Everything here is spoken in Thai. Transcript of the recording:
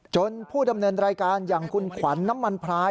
ผู้ดำเนินรายการอย่างคุณขวัญน้ำมันพราย